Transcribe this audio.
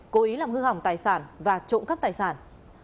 cô ý làm hư hỏng tài sản và trộm các tài sản